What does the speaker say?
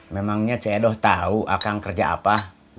memangnya cik edo tahu akang kerja apa